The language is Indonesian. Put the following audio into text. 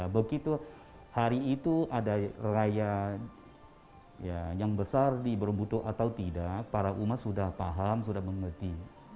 begitu hari itu ada raya yang besar di berembu atau tidak para umat sudah paham sudah mengerti